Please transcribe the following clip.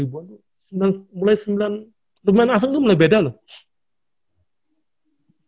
untuk main asing tuh mulai beda loh